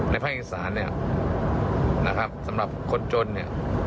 ภาคอีสานเนี่ยนะครับสำหรับคนจนเนี่ย